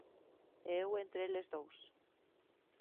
E eu entre eles dous.